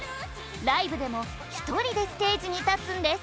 ライブでも１人でステージに立つんです。